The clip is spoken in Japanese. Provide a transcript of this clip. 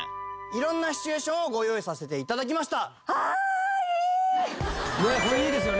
色んなシチュエーションをご用意させて頂きました。